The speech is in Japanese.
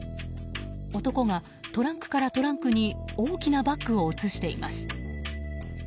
男ら、トランクからトランクに大きなバッグを移しています。